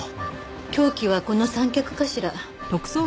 凶器はこの三脚かしら。